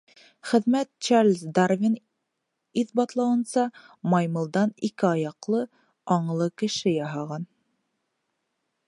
Хеҙмәт, Чарльз Дарвин иҫбатлауынса, маймылдан ике аяҡлы, аңлы кеше яһаған.